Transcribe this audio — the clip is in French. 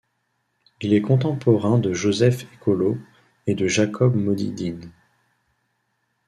Il est contemporain de Joseph Ekollo, et de Jacob Modi Din.